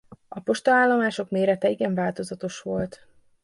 A postaállomások mérete igen változatos volt.